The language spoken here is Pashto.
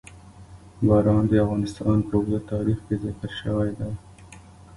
باران د افغانستان په اوږده تاریخ کې ذکر شوی دی.